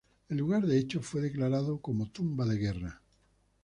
El lugar del hecho fue declarado como tumba de guerra.